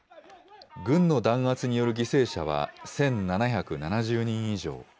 軍の弾圧による犠牲者は１７７０人以上。